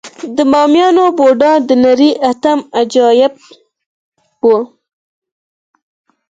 د بامیانو بودا د نړۍ اتم عجایب و